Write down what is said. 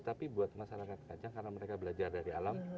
tapi buat masyarakat kacang karena mereka belajar dari alam